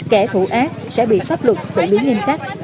kẻ thù ác sẽ bị pháp luật xử lý nghiêm khắc